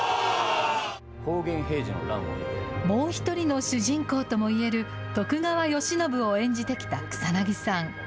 もう一人の主人公ともいえる徳川慶喜を演じてきた草なぎさん。